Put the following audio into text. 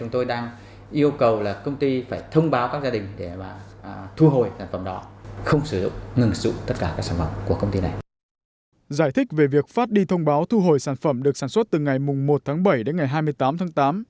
giải thích về việc phát đi thông báo thu hồi sản phẩm được sản xuất từ ngày một tháng bảy đến ngày hai mươi tám tháng tám